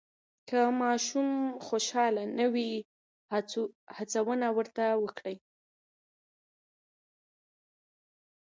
که ماشوم خوشحاله نه وي، هڅونه ورته وکړئ.